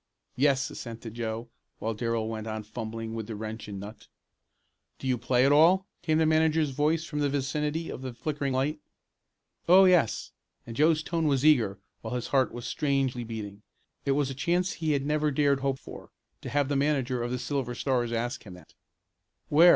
"Yes," assented Joe, while Darrell went on fumbling with the wrench and nut. "Do you play at all?" came the manager's voice from the vicinity of the flickering light. "Oh, yes," and Joe's tone was eager while his heart was strangely beating. It was a chance he had never dared hope for, to have the manager of the Silver Stars ask him that. "Where?"